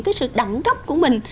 cái sự đẳng cấp của mình